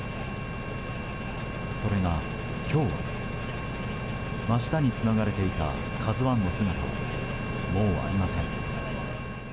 それが、今日は真下につながれていた「ＫＡＺＵ１」の姿はもうありません。